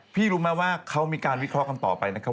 รู้ไหมว่าเขามีการวิเคราะห์กันต่อไปนะครับ